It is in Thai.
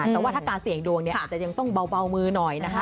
แต่ว่าถ้าการเสี่ยงดวงเนี่ยอาจจะยังต้องเบามือหน่อยนะคะ